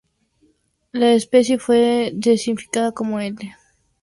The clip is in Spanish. La especie fue designada como "L. africana".